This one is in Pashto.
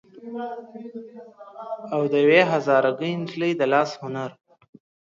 او د يوې هزاره ګۍ نجلۍ د لاس هنر